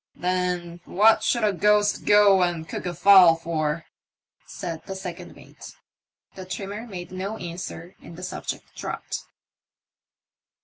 *' Then what should a ghost go and cook a fowl for ?" said the second mate. The trimmer made no answer, and the subject dropped.